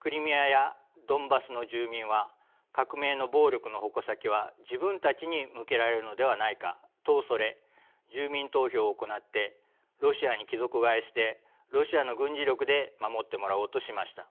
クリミアやドンバスの住民は革命の暴力の矛先は自分たちに向けられるのではないかと恐れ住民投票を行ってロシアに帰属替えしてロシアの軍事力で守ってもらおうとしました。